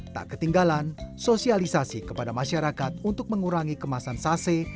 tak ketinggalan sosialisasi kepada masyarakat untuk mengurangi kemasan sase